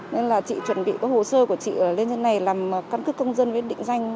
nên là chị chuẩn bị cái hồ sơ của chị lên nhân này làm căn cứ công dân với định danh